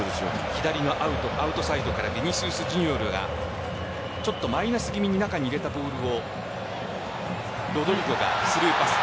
左のアウトサイドからヴィニシウス・ジュニオールがちょっとマイナス気味に中に入れたボールをロドリゴがスルーパス。